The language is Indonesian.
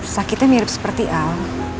sakitnya mirip seperti al